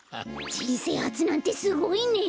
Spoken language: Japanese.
じんせいはつなんてすごいね！